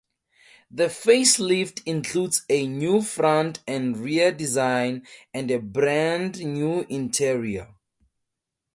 The facelift includes a new front and rear design, and a brand new interior.